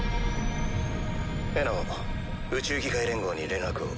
エナオ宇宙議会連合に連絡を。